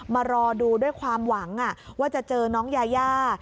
รอดูด้วยความหวังว่าจะเจอน้องยายา